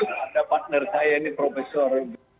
ada partner saya ini profesor